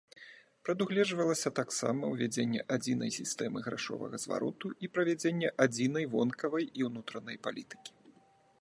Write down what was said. Прадугледжвалася таксама ўвядзенне адзінай сістэмы грашовага звароту і правядзенне адзінай вонкавай і ўнутранай палітыкі.